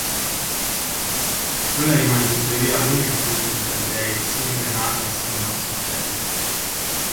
Quella rimane tuttavia l'unica presenza di Taddei sia in granata sia in massima serie.